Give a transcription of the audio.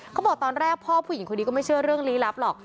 เขาบอกตอนแรกพ่อผู้หญิงคนนี้ก็ไม่เชื่อเรื่องลี้ลับหรอก